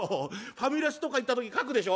ファミレスとか行った時書くでしょ。